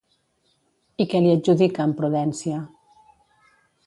I què li adjudica, amb prudència?